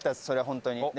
それは本当に。